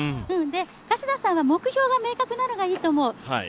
加世田さんは目標が明確なのがいいと思う。